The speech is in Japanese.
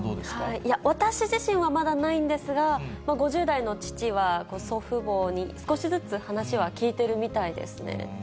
いや、私自身はまだないんですが、５０代の父は祖父母に少しずつ話は聞いてるみたいですね。